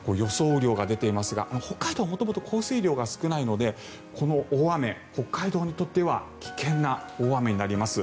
雨量が出ていますが北海道は元々降水量が少ないのでこの大雨、北海道にとっては危険な大雨になります。